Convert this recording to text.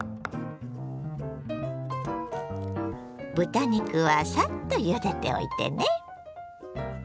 豚肉はサッとゆでておいてね。